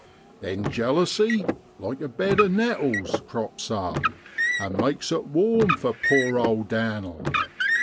Then jealousy, like abed of nettles, crops up, and makes it warm for poor old Dan'l.